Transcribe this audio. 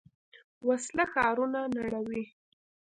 وسله ښارونه نړوي